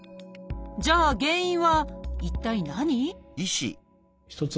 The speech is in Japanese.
じゃあ原因は一体何？